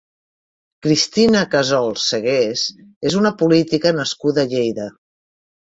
Cristina Casol Segués és una política nascuda a Lleida.